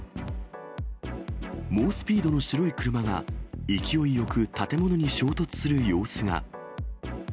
猛スピードの白い車が勢いよく建物に衝突する様子が。